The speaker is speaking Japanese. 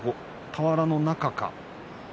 俵の中か。